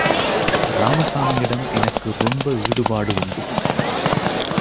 ராமசாமியிடம் எனக்கு ரொம்ப ஈடுபாடு உண்டு.